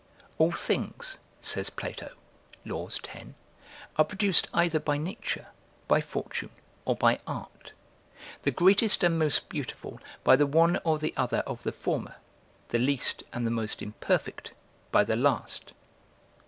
All things, says Plato, [Laws, 10.] are produced either by nature, by fortune, or by art; the greatest and most beautiful by the one or the other of the former, the least and the most imperfect by the last.